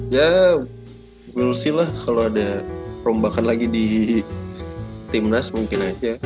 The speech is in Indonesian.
ya we ll see lah kalo ada perombakan lagi di timnas mungkin aja